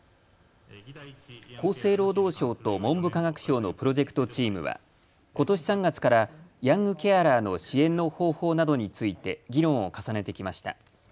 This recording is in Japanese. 厚生労働省と文部科学省のプロジェクトチームはことし３月からヤングケアラーの支援の方法などについて議論を重ねてきました。